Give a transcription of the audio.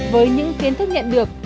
với những kiến thức nhận được